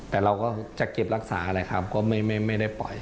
แต่เราก็จะเก็บรักษาเลยครับเพราะว่าไม่ได้ปล่อย